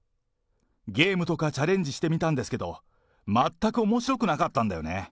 ゲームとかチャレンジしてみたんですけど、全くおもしろくなかったんだよね。